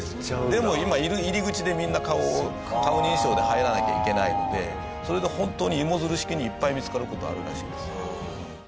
でも今入り口でみんな顔認証で入らなきゃいけないのでそれでホントに芋づる式にいっぱい見つかる事あるらしいですよ。